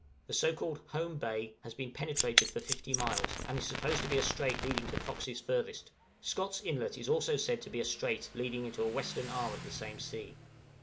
The so called "Home Bay" has been penetrated for fifty miles, and is supposed to be a strait leading to Fox's Furthest. Scott's Inlet is also said to be a strait leading into a western arm of the same sea.